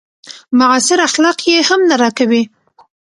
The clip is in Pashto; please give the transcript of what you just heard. معاصر اخلاق يې هم نه راکوي.